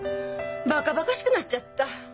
バカバカしくなっちゃった！